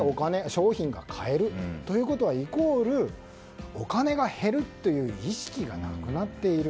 商品が買えるということはイコールお金が減るという意識がなくなっている。